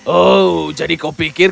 oh jadi kau pikir